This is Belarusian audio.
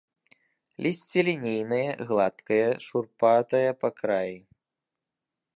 Лісце лінейнае, гладкае, шурпатае па краі.